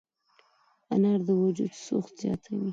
انار د وجود سوخت زیاتوي.